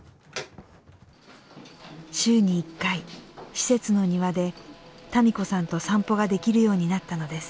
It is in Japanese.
週に１回、施設の庭で多美子さんと散歩ができるようになったのです。